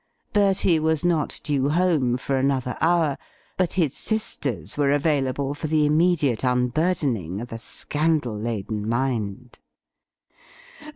Bertie was not due home for another hour, but his sisters were available for the immediate unburdening of a scandal laden mind.